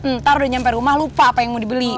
ntar udah nyampe rumah lupa apa yang mau dibeli